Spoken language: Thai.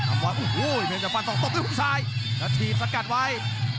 อุ้โหเหมือนจะฟันต่อตบในหุ้งชายแล้วทีมสัดกัดไว้